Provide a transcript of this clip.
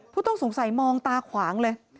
ผู้ต้องสงสัยมองตาขวางเลย